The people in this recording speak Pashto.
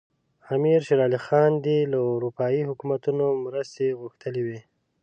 امیر شېر علي خان دې له اروپایي حکومتونو مرستې غوښتلي وي.